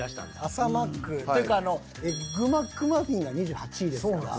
朝マックというかあのエッグマックマフィンが２８位ですから。